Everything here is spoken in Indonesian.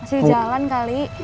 masih jalan kali